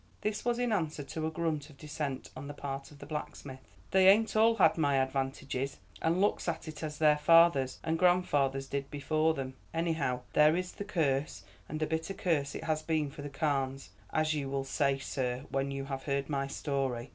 This was in answer to a grunt of dissent on the part of the blacksmith. "They ain't all had my advantages, and looks at it as their fathers and grandfathers did before them. Anyhow, there is the curse, and a bitter curse it has been for the Carnes, as you will say, sir, when you have heard my story.